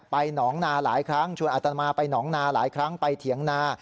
หนองนาหลายครั้งชวนอัตมาไปหนองนาหลายครั้งไปเถียงนา